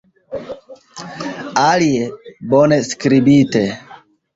Alie, bone skribite!